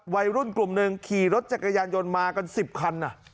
วัยรุ่นกลุ่มหนึ่งขี่รถจักรยานยนต์มากัน๑๐คัน